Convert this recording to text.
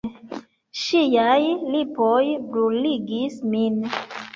Ŝiaj lipoj bruligis min.